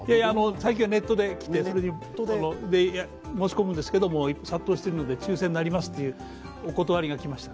最近はネットで来て、それで申し込むんですけど、殺到してるので、抽選になりますというお断りが来ました。